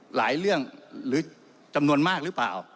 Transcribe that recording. หลายเรื่องหรือจำนวนมากหรือเปล่า